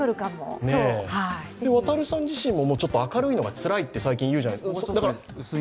亘さん自身も明るいのがつらいと言うじゃないですか。